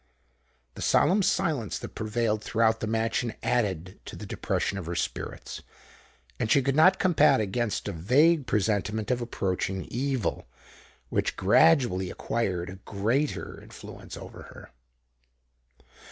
The solemn silence that prevailed throughout the mansion added to the depression of her spirits; and she could not combat against a vague presentiment of approaching evil, which gradually acquired a greater influence over her.